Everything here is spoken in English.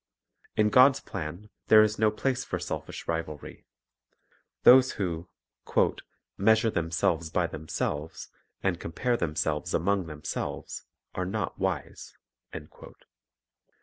In God's plan there is no place for selfish rivalry. Those who "measure themselves by themselves, and compare themselves among themselves, are not wise."